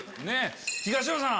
東野さん！